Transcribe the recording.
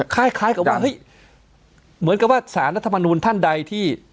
คล้ายกับว่าเฮ้ยเหมือนกับว่าสารรัฐมนูลท่านใดที่